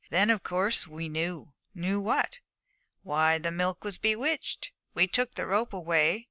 So then of course we knew.' 'Knew what?' 'Why, that the milk was bewitched. We took the rope away.